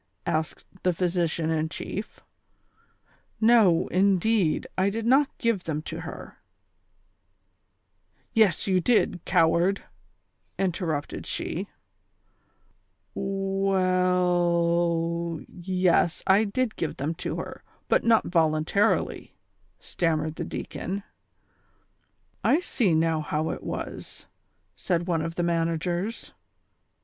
" asked the physician in chief. " Xo, indeed, I did not give them to her "— "Yes, you did, coward," interrupted she. 208 TilE SOCIAL WAR OF 1900; OR, "We — 11, yes, I did give them to her, but not volunta rily," stMunaered the deiicon. " I see now how it was," said one of the managers.